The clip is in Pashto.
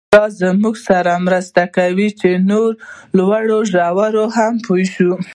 دا زموږ سره مرسته کوي چې نورو لوړو ژورو هم پوه شو.